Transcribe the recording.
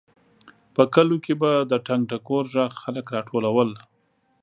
په کلیو کې به د ټنګ ټکور غږ خلک راټولول.